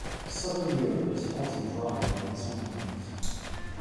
Southern Europe is hot and dry during the summer months.